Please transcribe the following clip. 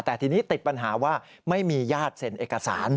แต่ทีนี้ติดปัญหาว่าไม่มีญาติเซ็นเอกสาร